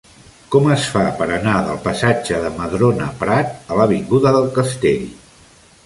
Com es fa per anar del passatge de Madrona Prat a l'avinguda del Castell?